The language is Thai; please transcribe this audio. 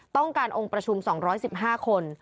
ต้องการองค์ประชุม๒๑๕คน